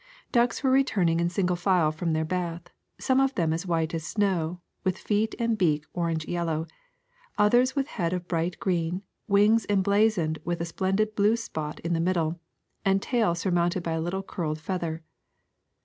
Ducks were returning in single file from their bath, some of them as white as snow, with feet and beak orange yellow, others with head of bright green, wings emblazoned with a splendid blue spot in the middle, and tail surmounted by a little curled feather.